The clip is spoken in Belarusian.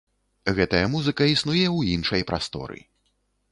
Гэтая музыка існуе ў іншай прасторы.